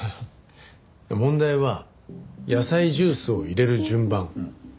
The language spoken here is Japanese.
問題は野菜ジュースを入れる順番。